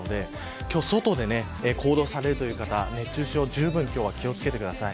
今日は外で行動されるという方は熱中症にじゅうぶん気を付けてください。